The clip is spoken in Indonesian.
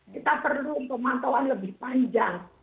kita perlu pemantauan lebih panjang